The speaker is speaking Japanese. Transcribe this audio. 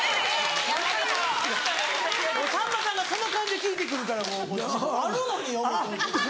もうさんまさんがそんな感じで聞いてくるからもうこっちあるのに思うて。